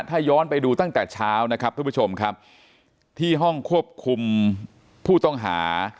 ถ้าย้อนไปดูตั้งแต่เช้านะครับทุกผู้ชมครับที่ห้องควบคุมผู้ต้องหา